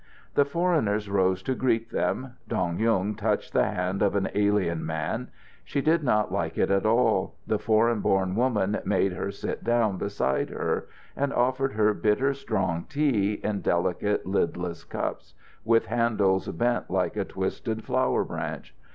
The foreigners rose to greet them. Dong Yung touched the hand of an alien man. She did not like it at all. The foreign born woman made her sit down beside her, and offered her bitter, strong tea in delicate, lidless cups, with handles bent like a twisted flower branch.